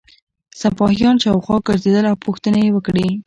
سپاهیان شاوخوا ګرځېدل او پوښتنې یې وکړې.